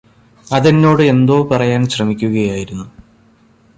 അതെന്നോട് എന്തോ പറയാന് ശ്രമിക്കുകയായിരുന്നു